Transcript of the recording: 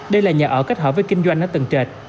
đây là nhà ở kết hợp với kinh doanh ở từng trệt